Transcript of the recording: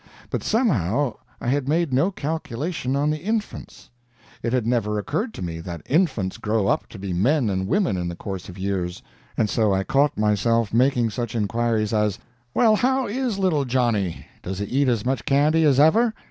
But somehow I had made no calculation on the infants. It had never occurred to me that infants grow up to be men and women in the course of years, and so I caught myself making such inquiries as, "Well, how is little Johnny; does he eat as much candy as ever?"